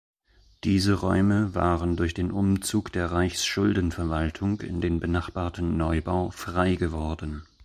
Diese Räume waren durch den Umzug der Reichsschuldenverwaltung in den benachbarten Neubau frei geworden.